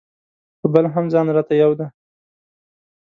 په بل هم ځان راته یو دی.